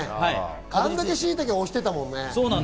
あんだけしいたけ推してたもんね。